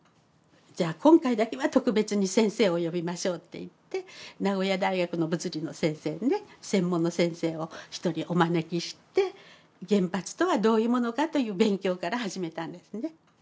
じゃあ今回だけは特別に先生を呼びましょうっていって名古屋大学の物理の先生ね専門の先生を一人お招きして原発とはどういうものかという勉強から始めたんですね。